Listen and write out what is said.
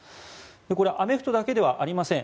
これはアメフトだけではありません。